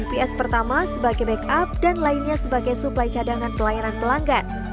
bps pertama sebagai backup dan lainnya sebagai suplai cadangan pelayanan pelanggan